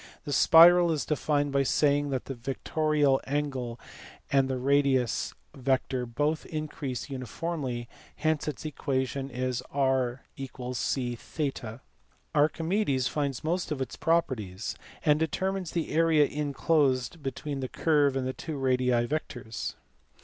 The spiral is defined by saying that the vectorial angle and radius vector both in crease uniformly, hence its equation is r = cO. Archimedes finds most of its properties, and determines the area inclosed between the curve and two radii vectores.